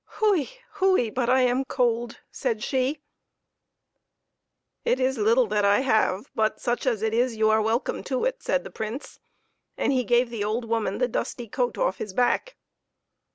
" Hui! hui! but I am cold!" said she. " It is little that I have, but such as it is you are welcome to it," said the Prince, and he gave the old woman the dusty coat off his back.